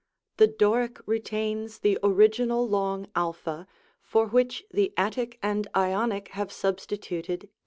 The Doric retains the original long a, for which the Attic and Ionic have substituted